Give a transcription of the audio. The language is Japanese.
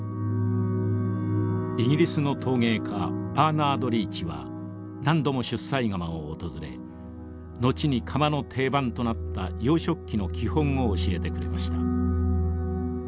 イギリスの陶芸家バーナード・リーチは何度も出西窯を訪れ後に窯の定番となった洋食器の基本を教えてくれました。